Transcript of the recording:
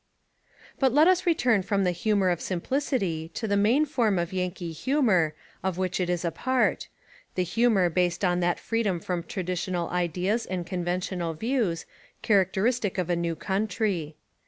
But let us return from the humour of sim plicity to the main form of Yankee humour of which it is a part, the humour based on that freedom from traditional ideas and conven tional views, characteristic of a new country.